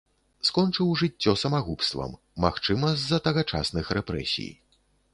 Скончыў жыццё самагубствам, магчыма, з-за тагачасных рэпрэсій.